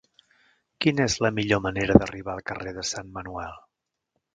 Quina és la millor manera d'arribar al carrer de Sant Manuel?